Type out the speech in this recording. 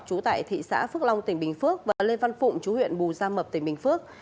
trú tại thị xã phước long tỉnh bình phước và lê văn phụng chú huyện bù gia mập tỉnh bình phước